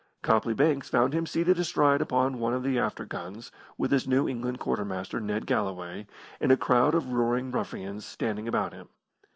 Copley Banks found him seated astride upon one of the after guns, with his New England quartermaster, Ned Galloway, and a crowd of roaring ruffians standing about him.